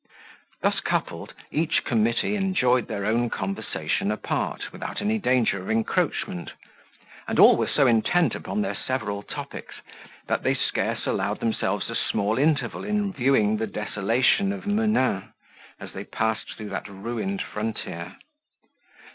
Thus coupled, each committee enjoyed their own conversation apart, without any danger of encroachment; and all were so intent upon their several topics, that they scarce allowed themselves a small interval in viewing the desolation of Menin, as they passed through that ruined frontier.